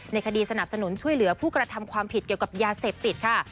คดีสนับสนุนช่วยเหลือผู้กระทำความผิดเกี่ยวกับยาเสพติดค่ะ